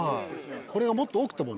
これがもっと多くてもね。